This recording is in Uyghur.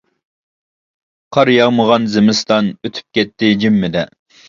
قار ياغمىغان زىمىستان، ئۆتۈپ كەتتى جىممىدە.